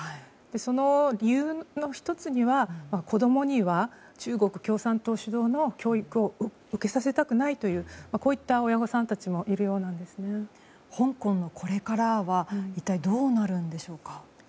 その理由の１つには子供には中国共産党主導の教育を受けさせたくないという親御さんも香港のこれからは一体どうなるんでしょうか。